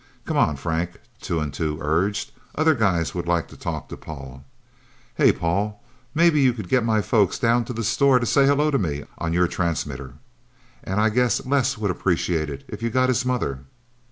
"Come on, Frank," Two and Two urged. "Other guys would like to talk to Paul... Hey, Paul maybe you could get my folks down to the store to say hello to me on your transmitter. And I guess Les would appreciate it if you got his mother..."